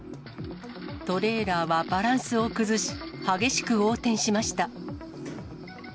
トレーラーはバランスを崩し、激しく横転しました。